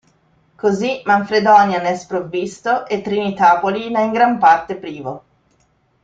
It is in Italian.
Così Manfredonia ne è sprovvisto e Trinitapoli ne è in gran parte privo.